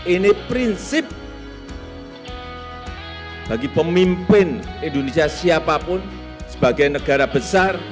ini prinsip bagi pemimpin indonesia siapapun sebagai negara besar